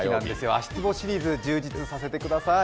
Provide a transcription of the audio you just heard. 足ツボシリーズ、充実させてください。